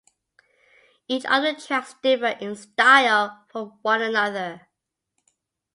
Each of the tracks differ in style from one another.